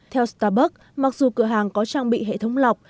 theo starbucks mặc dù cửa hàng có trang bị hệ thống